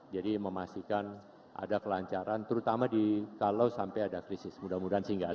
jadi memastikan ada kelancaran terutama kalau sampai ada krisis mudah mudahan sehingga ada